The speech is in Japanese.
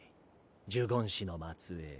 呪言師の末裔。